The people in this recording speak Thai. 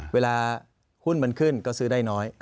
เวลาหุ้นมันขึ้นก็ซื้อได้น้อย